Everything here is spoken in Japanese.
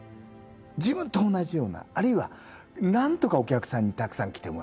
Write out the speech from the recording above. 自分と同じようなあるいはなんとかお客さんにたくさん来てもらう。